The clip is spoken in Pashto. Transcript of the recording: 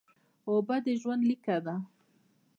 اوبه د ژوند لیکه ده